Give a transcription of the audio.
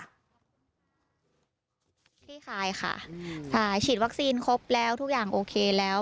ขี้คายค่ะใช่ฉีดวัคซีนครบแล้วทุกอย่างโอเคแล้ว